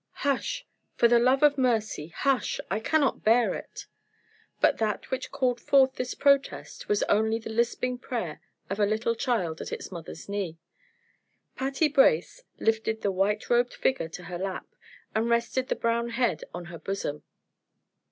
"Hush! For the love of mercy, hush, I cannot bear it!" But that which called forth this protest was only the lisping prayer of a little child at its mother's knee. Patty Brace lifted the white robed figure to her lap, and rested the brown head on her bosom.